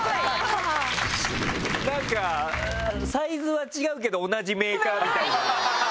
何かサイズは違うけど同じメーカーみたいな。